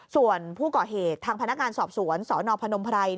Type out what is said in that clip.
ส่วนผู้ก่อเหตุทางพนักงานสอบสวนสนพนมไพร